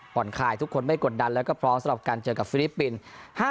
คายทุกคนไม่กดดันแล้วก็พร้อมสำหรับการเจอกับฟิลิปปินส์